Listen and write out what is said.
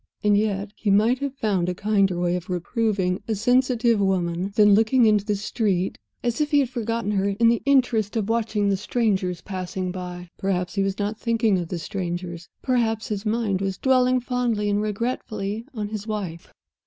And yet, he might have found a kinder way of reproving a sensitive woman than looking into the street as if he had forgotten her in the interest of watching the strangers passing by! Perhaps he was not thinking of the strangers; perhaps his mind was dwelling fondly and regretfully on his wife?